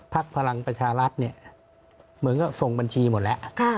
ภักดิ์พลังประชาลัศน์เหมือนกับส่งบัญชีหมดแล้ว